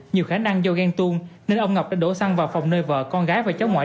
nhiều khả năng do ghen tuông nên ông ngọc đã đổ xăng vào phòng nơi vợ con gái và cháu ngoại